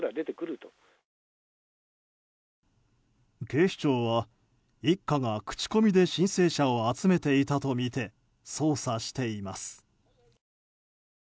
警視庁は一家が口コミで申請者を集めていたとみて捜査しています。